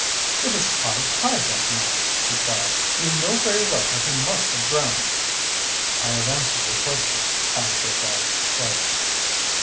"It was high tide that night!" she cried. "You know very well that he must have been drowned!" "I have answered your question," Tallente replied quietly.